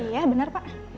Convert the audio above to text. iya benar pak